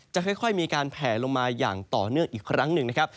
จะค่อยมีการแผลลงมาอย่างต่อเนื่องอีกครั้งหนึ่งนะครับ